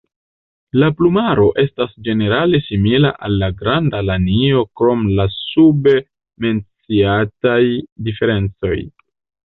La plumaro estas ĝenerale simila al la Granda lanio krom la sube menciataj diferencoj.